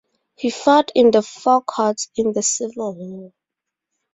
He fought in the Four Courts in the Civil War.